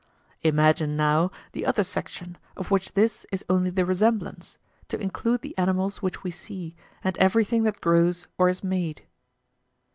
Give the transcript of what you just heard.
Imagine, now, the other section, of which this is only the resemblance, to include the animals which we see, and everything that grows or is made.